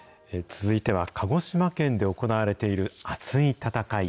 続いては鹿児島県で行われている熱い戦い。